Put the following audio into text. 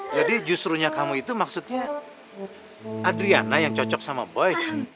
jadi justrunya kamu itu maksudnya adriana yang cocok sama boy